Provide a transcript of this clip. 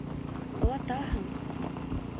Ҡолатаһың!